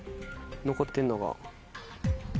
残ってんのが。